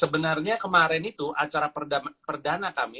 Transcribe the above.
sebenarnya kemarin itu acara perdana kami